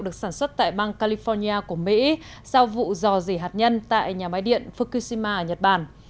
được sản xuất tại bang california của mỹ sau vụ dò dỉ hạt nhân tại nhà máy điện fukushima ở nhật bản